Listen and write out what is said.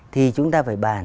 thì chúng ta phải bàn